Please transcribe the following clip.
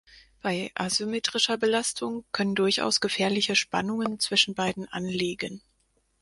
Bei asymmetrischer Belastung können durchaus gefährliche Spannungen zwischen beiden anliegen.